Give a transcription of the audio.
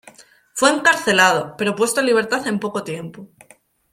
Fue encarcelado, pero puesto en libertad en poco tiempo.